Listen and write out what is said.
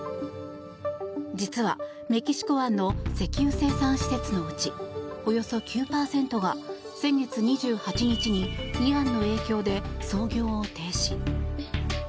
実は、メキシコ湾の石油生産施設のうちおよそ９％が先月２８日にイアンの影響で操業を停止。